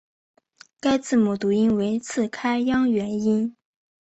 该字母读音为次开央元音。